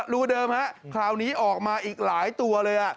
รูเดิมฮะคราวนี้ออกมาอีกหลายตัวเลย